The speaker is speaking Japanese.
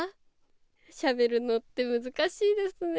しゃべるのって難しいですね。